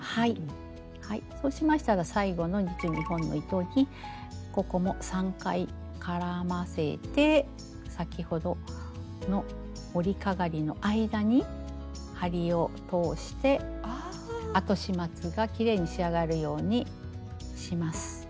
はいそうしましたら最後の２２本の糸にここも３回絡ませて先ほどの織りかがりの間に針を通して後始末がきれいに仕上がるようにします。